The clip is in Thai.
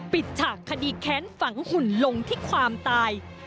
ฉากคดีแค้นฝังหุ่นลงที่ความตาย